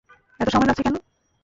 এত সময় লাগছে কেন?